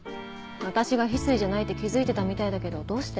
私が翡翠じゃないって気付いてたみたいだけどどうして？